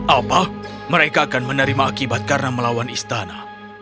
apa mereka akan menerima akibat karena melawan istana